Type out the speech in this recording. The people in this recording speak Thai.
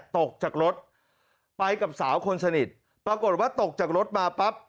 ตกจากรถไปกับสาวคนสนิทปรากฏว่าตกจากรถมาปั๊บ